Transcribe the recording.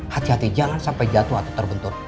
hati hati jangan sampai jatuh atau terbentur